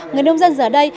người nông dân giờ đây